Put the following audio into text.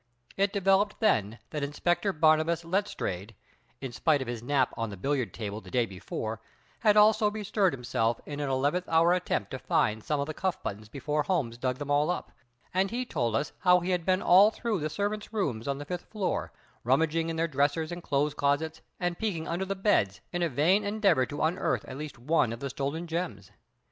It developed then that Inspector Barnabas Letstrayed, in spite of his nap on the billiard table the day before, had also bestirred himself in an eleventh hour attempt to find some of the cuff buttons before Holmes dug them all up, and he told us how he had been all through the servants' rooms on the fifth floor, rummaging in their dressers and clothes closets, and peeking under the beds, in a vain endeavor to unearth at least one of the stolen gems.